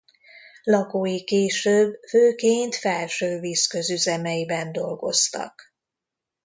Lakói később főként Felsővízköz üzemeiben dolgoztak.